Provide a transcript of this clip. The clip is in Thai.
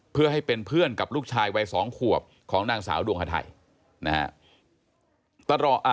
เพื่อให้เป็นเพื่อนกับลูกชายวัย๒ขวบของนางสาวดวงฮาไทยนะฮะ